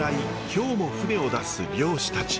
今日も船を出す漁師たち。